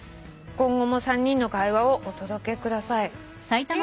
「今後も３人の会話をお届けください」え見たい！